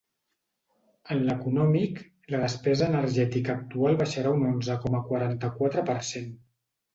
En l’econòmic, la despesa energètica actual baixarà un onze coma quaranta-quatre per cent.